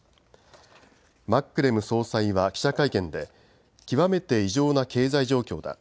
マックレム総裁は記者会見で極めて異常な経済状況だ。